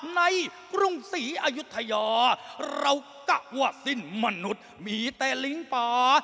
กรุงศรีอายุทยาเรากะว่าสิ้นมนุษย์มีแต่ลิงป่า